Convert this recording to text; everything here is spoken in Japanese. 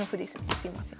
すいません。